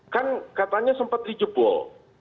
kan katanya sempat dijebol